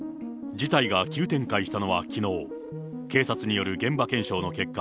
事態が急展開したのはきのう、警察による現場検証の結果、